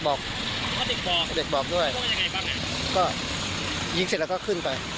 บอกได้บอกด้วยจะยิงเสร็จแล้วก็ขึ้นไป